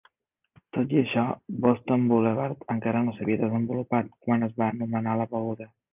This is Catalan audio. Tot i això, Boston Boulevard encara no s'havia desenvolupat quan es va nomenar la beguda.